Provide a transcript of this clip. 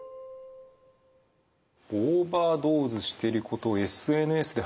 オーバードーズしてることをＳＮＳで発信する。